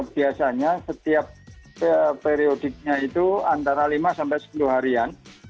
biasanya setiap periodiknya itu antara lima sampai sepuluh harian